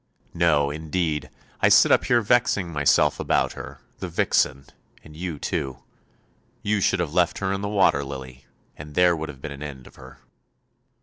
No, indeed; I sit up here vexing myself about her, the vixen, and you too. You should have left her in the water lily, and there would have been an end of her."